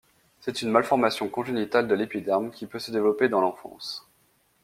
C'est une malformation congénitale de l'épiderme, qui peut se développer dans l'enfance.